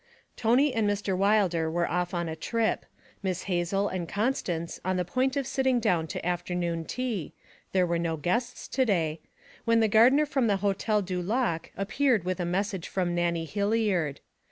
Tony and Mr. Wilder were off on a trip; Miss Hazel and Constance on the point of sitting down to afternoon tea there were no guests to day when the gardener from the Hotel du Lac appeared with a message from Nannie Hilliard.